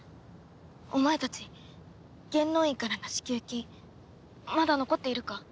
お前たち元老院からの支給金まだ残っているか？